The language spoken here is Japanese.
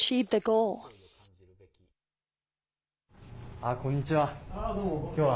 あっ、こんにちは。